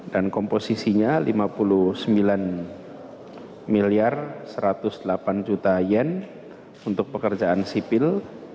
dan komposisinya rp lima puluh sembilan satu ratus delapan untuk pekerjaan sipil